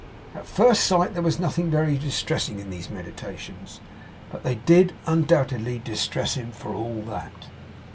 At first sight there was nothing very distressing in these meditations, but they did undoubtedly distress him for all that.